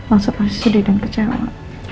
elsa pasti sedih dan kecewa